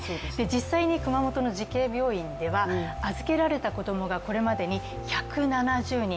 実際に熊本の慈恵病院では預けられた子供がこれまでに１７０人。